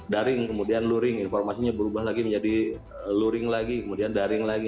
daring kemudian luring informasinya berubah lagi menjadi luring lagi kemudian daring lagi